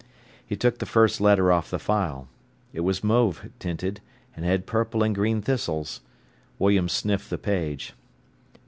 He took the first letter off the file. It was mauve tinted, and had purple and green thistles. William sniffed the page.